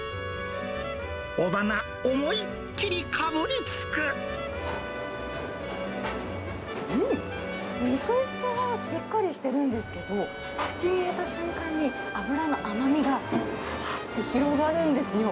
尾花、うん、肉質がしっかりしてるんですけど、口に入れた瞬間に、脂の甘みが、ふわっと広がるんですよ。